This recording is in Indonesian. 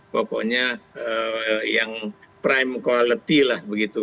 pokoknya yang prime quality lah begitu